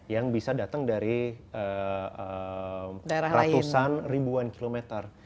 yang bisa datang dari ratusan ribuan kilometer